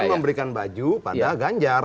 memberikan baju pada ganjar